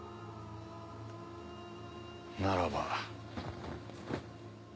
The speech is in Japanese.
ならば。